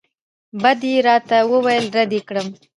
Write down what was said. بد یې راته وویل رد یې کړم.